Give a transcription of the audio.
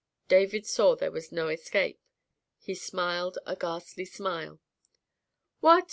David saw there was no escape; he smiled a ghastly smile. "What!